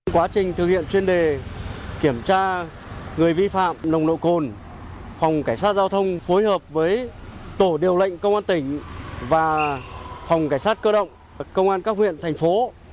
quá trình thực hiện chuyên đề kiểm tra người vi phạm nồng độ cồn phòng cảnh sát giao thông phối hợp với tổ điều lệnh công an tỉnh và phòng cảnh sát cơ động công an các huyện thành phố